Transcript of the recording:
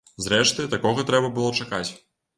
Зрэшты, такога трэба было чакаць.